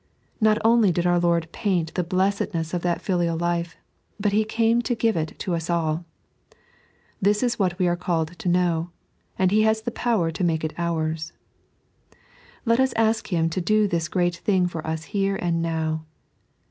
Not only did onr Lord paint the blessedness of that filial life, but He came to give it to us all. This is what we are called to know, and He has the power to make it ours. Let us ask Him to do this great thing for us here and now.